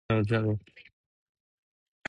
Edouard Goursat was born in Lanzac, Lot.